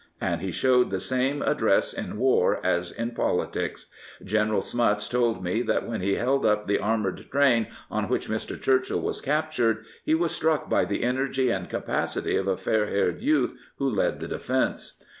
And he showed the same address in war as in politics. General Smuts told me that when he held up the armoured train on which Mr. Churchill was captured he was struck by the energy and capacity of a fair haired youth who led the defence.